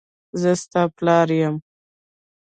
زه ستا پلار یم.